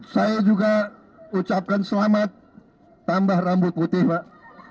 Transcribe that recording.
saya juga ucapkan selamat tambah rambut putih pak